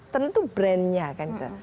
tentu brandnya kan gitu